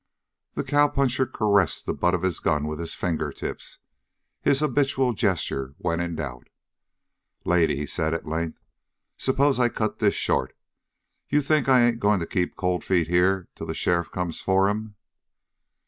The cowpuncher caressed the butt of his gun with his fingertips, his habitual gesture when in doubt. "Lady," he said at length, "suppose I cut this short? You think I ain't going to keep Cold Feet here till the sheriff comes for him?"